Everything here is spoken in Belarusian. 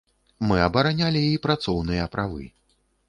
Мы абаранялі і працоўныя правы.